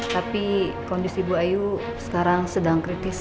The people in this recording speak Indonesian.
tapi kondisi ibu ayu sekarang sedang kritis